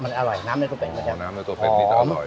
มันอร่อยน้ำในตัวเป็ดมันจะหอมน้ำในตัวเป็ดมันจะอร่อย